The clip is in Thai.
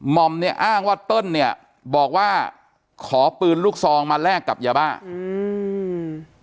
อมเนี่ยอ้างว่าเติ้ลเนี่ยบอกว่าขอปืนลูกซองมาแลกกับยาบ้าอืม